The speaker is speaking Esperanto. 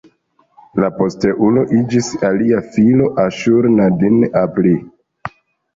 Lia posteulo iĝis alia filo, Aŝur-nadin-apli.